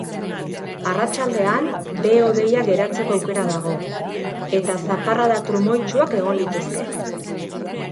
Arratsaldean, behe-hodeiak garatzeko aukera dago, eta zaparrada trumoitsuak egon litezke.